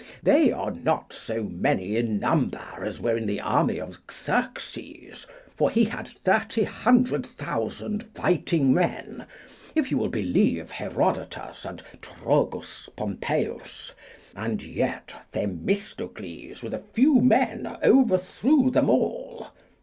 They are not so many in number as were in the army of Xerxes, for he had thirty hundred thousand fighting men, if you will believe Herodotus and Trogus Pompeius, and yet Themistocles with a few men overthrew them all.